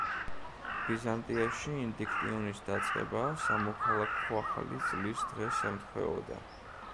ბიზანტიაში ინდიქტიონის დაწყება სამოქალაქო ახალი წლის დღეს ემთხვეოდა.